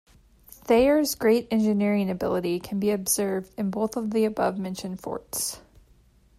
Thayer's great engineering ability can be observed in both of the above-mentioned forts.